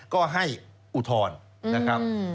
ก็ให้อุทธรณ์นะครับ